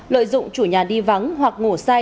lợi dụng chủ nhà đi vắng hoặc ngủ